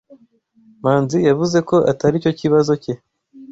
Manzi yavuze ko atari cyo kibazo cye.